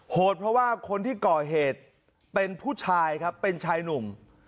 เพราะว่าคนที่ก่อเหตุเป็นผู้ชายครับเป็นชายหนุ่ม